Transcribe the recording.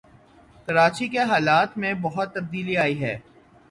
کراچی کے حالات میں بہت تبدیلی آئی ہے